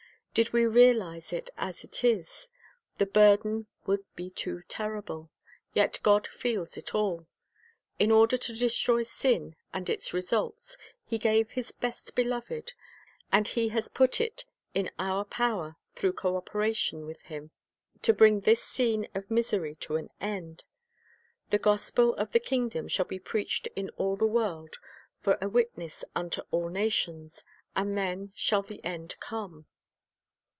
Did we realize it as it is, the burden would be too terrible. Vet God feels it all. In order to destroy sin and its results He gave His best Beloved, and He has put it in our power, through co operation with Him, to bring this scene of misery to an end. "This gospel of the kingdom shall be preached in all the world for a witness unto all nations; and then shall the end come."